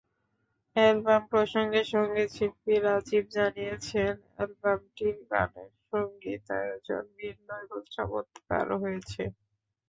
Album প্রসঙ্গে সংগীতশিল্পী রাজিব জানিয়েছেন, অ্যালবামটির গানের সংগীতায়োজন ভিন্ন এবং চমৎকার হয়েছে।